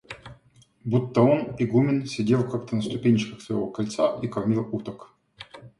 Будто он, игумен, сидел как-то на ступенечках своего крыльца и кормил уток.